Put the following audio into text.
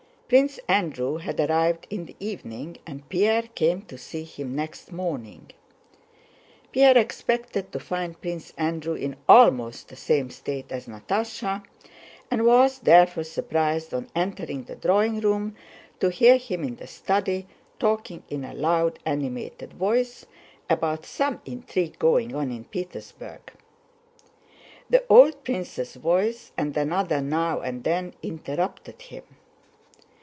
Prince Andrew had arrived in the evening and Pierre came to see him next morning. Pierre expected to find Prince Andrew in almost the same state as Natásha and was therefore surprised on entering the drawing room to hear him in the study talking in a loud animated voice about some intrigue going on in Petersburg. The old prince's voice and another now and then interrupted him.